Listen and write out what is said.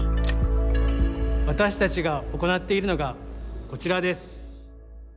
私たちが行っているのがこちらです。